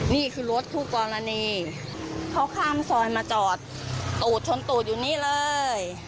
นี่คือรถคู่กรณีเขาข้ามซอยมาจอดตูดชนตูดอยู่นี่เลย